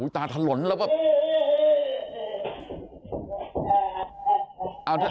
ตาถล่นแล้วก็